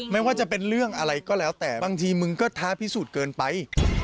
ไม่ว่าจะเป็นเรื่องอะไรก็แล้วแต่บางทีมึงก็ท้าพิสูจน์เกินไป